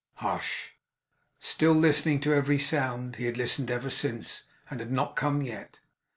Hush! Still listening! To every sound. He had listened ever since, and it had not come yet.